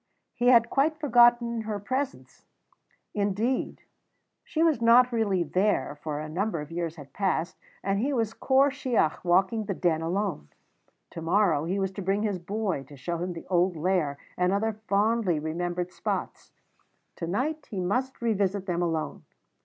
He had quite forgotten her presence; indeed, she was not really there, for a number of years had passed, and he was Corp Shiach, walking the Den alone. To morrow he was to bring his boy to show him the old Lair and other fondly remembered spots; to night he must revisit them alone.